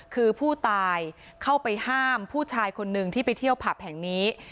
คือผู้ตายเข้าไปห้ามผู้ชายคนนึงที่ไปเที่ยวผับแห่งนี้